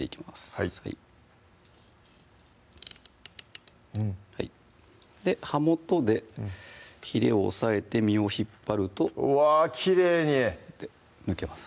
はいうんはい刃元でひれを押さえて身を引っ張るとうわきれいに抜けます